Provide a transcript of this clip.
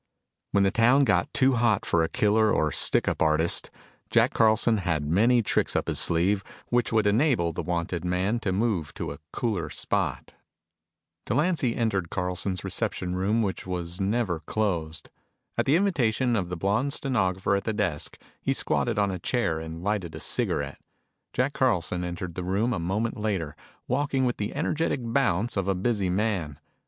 When the town got too hot for a killer or stick up artist, Jack Carlson had many tricks up his sleeve which would enable the wanted man to move to a cooler spot. Delancy entered Carlson's reception room which was never closed. At the invitation of the blonde stenographer at the desk, he squatted on a chair and lighted a cigarette. Jack Carlson entered the room a moment later, walking with the energetic bounce of a busy man.